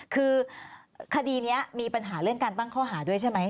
คือคดีนี้มีปัญหาเรื่องการตั้งข้อหาด้วยใช่ไหม